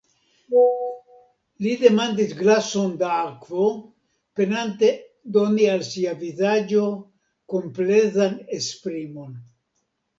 Li demandis glason da akvo, penante doni al sia vizaĝo komplezan esprimon.